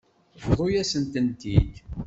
Bḍu-yasen-tent-id.